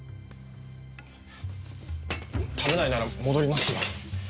食べないなら戻りますよ。